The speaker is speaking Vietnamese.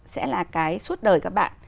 sẽ là cái suốt đời các bạn